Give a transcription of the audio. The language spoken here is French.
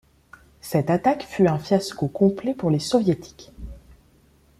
Cette attaque fut un fiasco complet pour les Soviétiques.